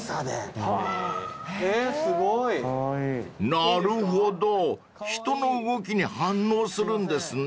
［なるほど人の動きに反応するんですね］